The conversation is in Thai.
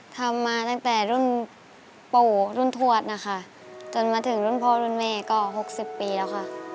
ทำมาตั้งแต่รุ่นปู่รุ่นทวดนะคะจนมาถึงรุ่นพ่อรุ่นแม่ก็๖๐ปีแล้วค่ะ